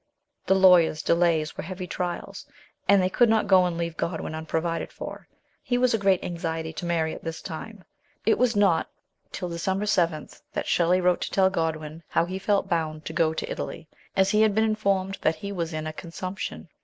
The lawyers' delays were heavy trials, and they could not go and leave Godwin unprovided for ; he was a great anxiety to Mary at this time. It was not till December 7 that Shelley wrote to tell Godwin how he felt bound to 124 MRS. SHELLEY. go to Italy, as he had been informed that he was in a consumption.